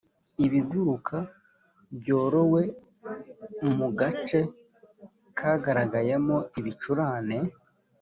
ibiguruka byorowe mu gace kagaragayemo ibicurane